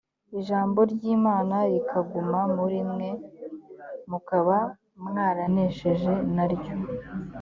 ijambo ryimana rikaguma muri mwe mukaba mwaranesheje naryo